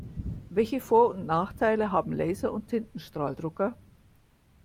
Welche Vor- und Nachteile haben Laser- und Tintenstrahldrucker?